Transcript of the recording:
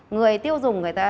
người tiêu dùng